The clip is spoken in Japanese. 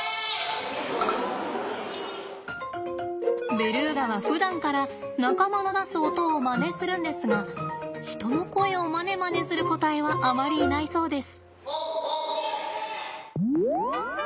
ベルーガはふだんから仲間の出す音をまねするんですが人の声をまねまねする個体はあまりいないそうです。